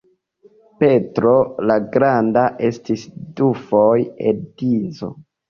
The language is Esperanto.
Petro la Granda estis dufoje edzo.